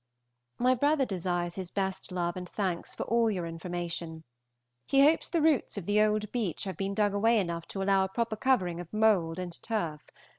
My brother desires his best love and thanks for all your information. He hopes the roots of the old beech have been dug away enough to allow a proper covering of mould and turf.